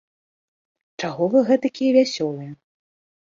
Чаго вы гэтакія вясёлыя?